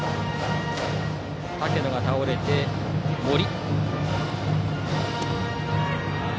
竹野が倒れて森。